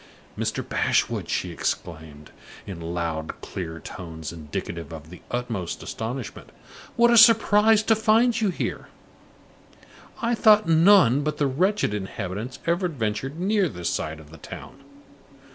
"Mr. Bashwood!" she exclaimed, in loud, clear tones indicative of the utmost astonishment, "what a surprise to find you here! I thought none but the wretched inhabitants ever ventured near this side of the town.